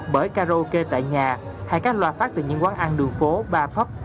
bởi karaoke tại nhà hay các loa phát từ những quán ăn đường phố bar pub